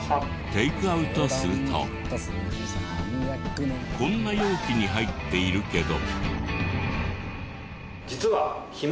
テイクアウトするとこんな容器に入っているけど。